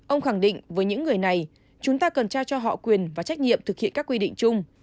ông khẳng định với những người này chúng ta cần trao cho họ quyền và trách nhiệm thực hiện các quy định chung